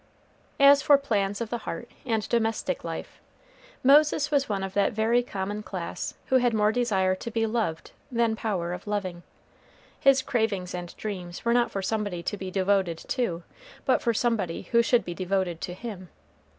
As for plans of the heart and domestic life, Moses was one of that very common class who had more desire to be loved than power of loving. His cravings and dreams were not for somebody to be devoted to, but for somebody who should be devoted to him.